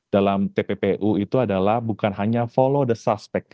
dalam tppu itu adalah bukan hanya follow the suspect